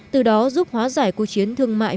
từ đó giúp hóa giải cuộc chiến thương mại